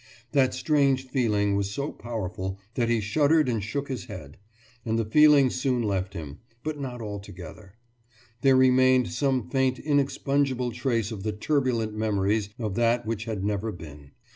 That strange feeling was so powerful that he shuddered and shook his head; and the feeling soon left him, but not altogether; there remained some faint inexpungible trace of the turbulent memories of that which had never been.